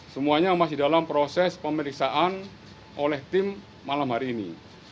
semuanya masih dalam proses pemeriksaan oleh tim malam hari ini